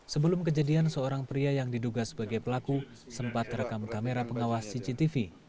sebelum kejadian seorang pria yang diduga sebagai pelaku sempat terekam kamera pengawas cctv